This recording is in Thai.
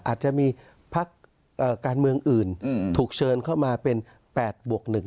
อาจจะมีพักเอ่อการเมืองอื่นอืมถูกเชิญเข้ามาเป็นแปดบวกหนึ่ง